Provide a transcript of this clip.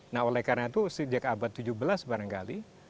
nah oleh karena itu sejak abad tujuh belas barangkali